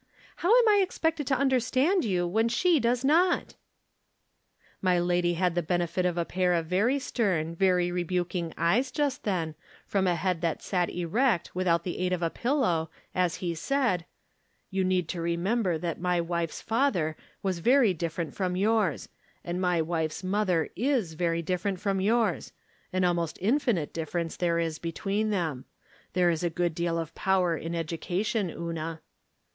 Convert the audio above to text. How am I ex pected to understand you when she does not ?" My lady had the benefit of a pair of very stern, very rebuking eyes just then, from a head that sat erect without the aid of a pillow, as he said :" You need to remember that my wife's father was very different, from yours ; and my wife's mother is very different from yours — an almost infinite difference there is between them. There is a good deal of power in education, Una."